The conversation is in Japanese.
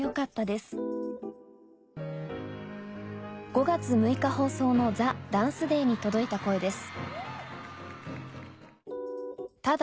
５月６日放送の『ＴＨＥＤＡＮＣＥＤＡＹ』に届いた声です